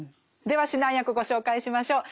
では指南役ご紹介しましょう。